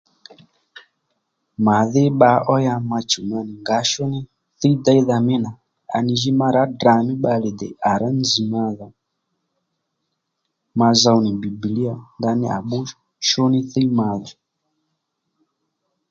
Màdhí bba ó ya ma chùw ma nì ngǎ shú ní thíy déydha mí nà à nì jǐ ma rǎ Ddrà mí bbalè dè à rǎ nzz̀ ma dhò ma zow nì bìbìlíya ndaní à bbu shú ní thíy ma dhò